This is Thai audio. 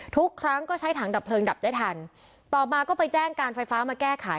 ทุกครั้งก็ใช้ถังดับเพลิงดับได้ทันต่อมาก็ไปแจ้งการไฟฟ้ามาแก้ไข